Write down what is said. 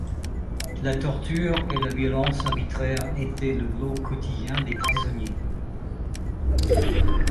La torture et la violence arbitraire étaient le lot quotidien des prisonniers.